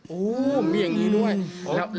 โอ้โหมีอย่างนี้ด้วย